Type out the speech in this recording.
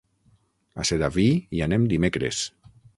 A Sedaví hi anem dimecres.